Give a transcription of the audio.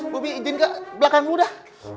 udah bobby izin ke belakang lo dah